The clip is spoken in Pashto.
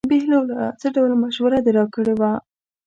بهلوله څه ډول مشوره دې راکړې وه.